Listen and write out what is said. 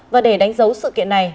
và để đánh dấu sự kiện này